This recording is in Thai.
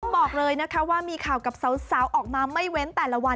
บอกเลยนะคะว่ามีข่าวกับสาวออกมาไม่เว้นแต่ละวัน